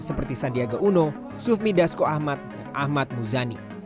seperti sandiaga uno sufmi dasko ahmad dan ahmad muzani